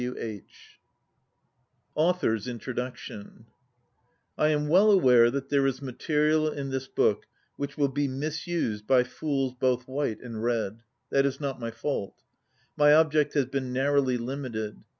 B. W. H. IV INTRODUCTION I AM well aware that there is material in this book which will be misused by fools both white and red. That is not my fault. My object has been narrowly limited.